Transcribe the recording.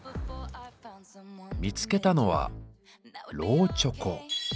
見つけたのはローチョコ。